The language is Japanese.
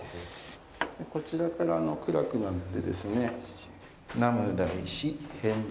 こちらから暗くなってですね。